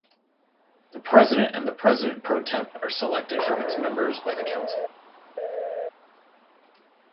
The president and president pro temp are selected from its members by the council.